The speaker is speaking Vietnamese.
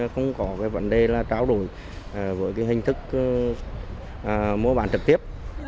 không có vấn đề là trao đổi với hình thức mua bán trực tiếp